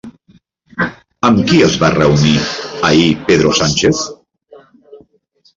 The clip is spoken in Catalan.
Amb qui es va reunir ahir Pedro Sánchez?